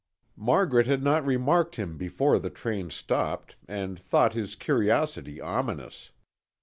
Margaret had not remarked him before the train stopped and thought his curiosity ominous.